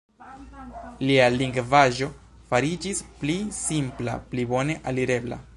Lia lingvaĵo fariĝis pli simpla, pli bone alirebla.